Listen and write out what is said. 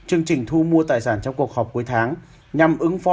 chương trình thu mua tài sản trong cuộc họp cuối tháng